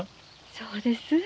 そうです。